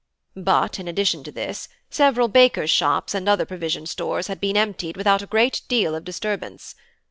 But in addition to this, several bakers' shops and other provision stores had been emptied without a great deal of disturbance.